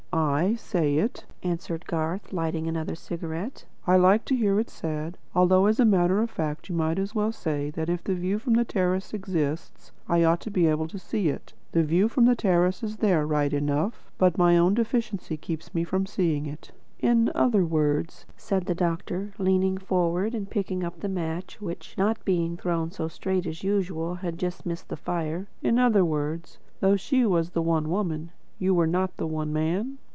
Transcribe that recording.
"Ah, say it," answered Garth, lighting another cigarette. "I like to hear it said, although as a matter of fact you might as well say that if the view from the terrace exists, I ought to be able to see it. The view is there, right enough, but my own deficiency keeps me from seeing it." "In other words," said the doctor, leaning forward and picking up the match which, not being thrown so straight as usual, had just missed the fire; "in other words, though She was the One Woman, you were not the One Man?"